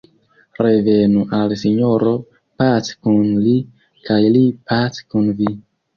Revenu al la Sinjoro pace kun Li, kaj Li pace kun vi.